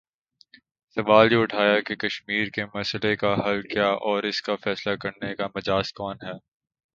سوال یہ اٹھتا کہ کشمیر کے مسئلے کا حل کیا اور اس کا فیصلہ کرنے کا مجاز کون ہے؟